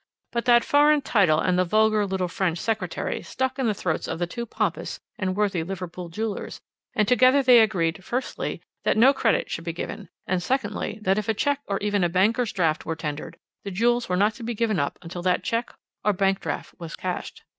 But that foreign title and the vulgar little French secretary stuck in the throats of the two pompous and worthy Liverpool jewellers, and together they agreed, firstly, that no credit should be given; and, secondly, that if a cheque or even a banker's draft were tendered, the jewels were not to be given up until that cheque or draft was cashed.